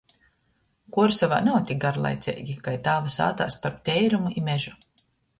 Kuorsovā nav tik garlaiceigi kai tāva sātā storp teirumu i mežu.